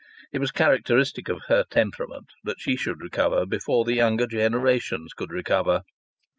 It was characteristic of her temperament that she should recover before the younger generations could recover.